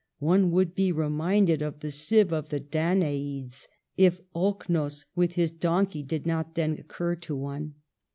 One would be reminded of the sieve of the Danai'des, if Oknos with his J donkey did not then occur to one."